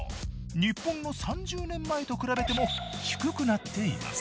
日本の３０年前と比べても低くなっています。